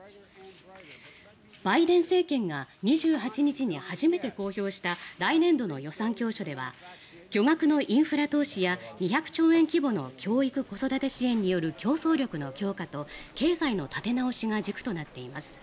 バイデン政権が２８日に初めて公表した来年度の予算教書では巨額のインフラ投資や２００兆円規模の教育・子育て支援による競争力の強化と経済の立て直しが軸となっています。